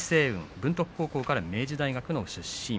文徳高校から明治大学の出身。